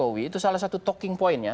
jokowi itu salah satu talking point ya